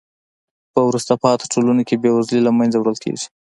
په وروسته پاتې ټولنو کې بې وزلۍ له منځه وړل کیږي.